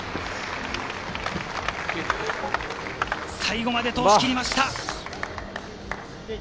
最後まで通し切りました。